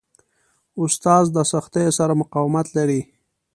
استاد د سختیو سره مقاومت لري.